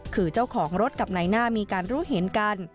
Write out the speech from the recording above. คือเจ้าของรถกับนายหน้ามีการรู้เห็นกัน